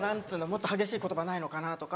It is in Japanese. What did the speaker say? もっと激しい言葉ないのかなとか。